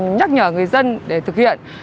nhắc nhở người dân để thực hiện